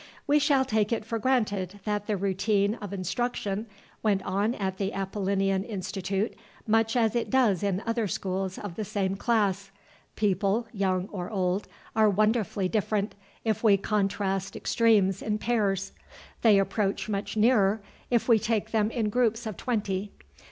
We shall take it for granted that the routine of instruction went on at the Apollinean Institute much as it does in other schools of the same class. People, young or old, are wonderfully different, if we contrast extremes in pairs. They approach much nearer, if we take them in groups of twenty.